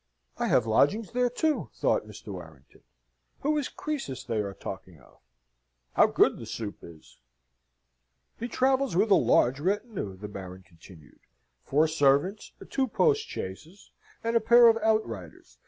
"I have lodgings there too," thought Mr. Warrington. "Who is Croesus they are talking of? How good the soup is!" "He travels with a large retinue," the Baron continued, "four servants, two postchaises, and a pair of outriders.